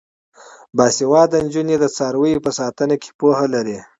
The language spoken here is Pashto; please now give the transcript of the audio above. باسواده نجونې د څارویو په ساتنه کې پوهه لري.